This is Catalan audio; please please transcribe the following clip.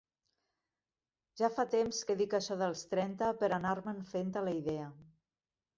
Ja fa temps que dic això dels trenta per anar-me'n fent a la idea.